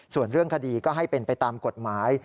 ส่วนเรื่องคดีก็ให้เป็นไปตามกฎหมาย